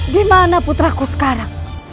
dimana putraku sekarang